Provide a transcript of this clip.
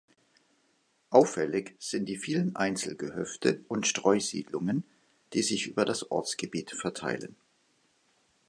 Auffällig sind die vielen Einzelgehöfte und Streusiedlungen, die sich über das Ortsgebiet verteilen.